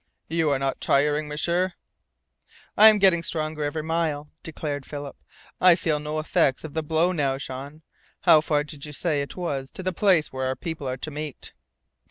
"You are not tiring, M'sieur?" "I am getting stronger every mile," declared Philip. "I feel no effects of the blow now, Jean. How far did you say it was to the place where our people are to meet?"